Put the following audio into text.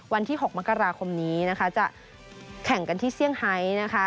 วันที่๖มกราคมนี้นะคะจะแข่งกันที่เซี่ยงไฮนะคะ